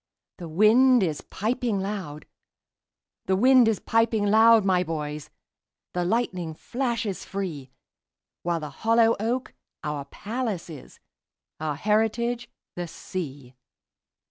The wind is piping loud; The wind is piping loud, my boys, The lightning flashes free—While the hollow oak our palace is, Our heritage the sea.